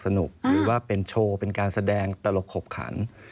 หรือว่าเป็นโชว์เป็นการแสดงตลกขบขัน